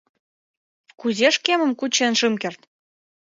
Кузе шкемым кучен шым керт?!